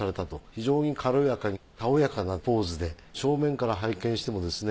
非常に軽やかにたおやかなポーズで正面から拝見してもですね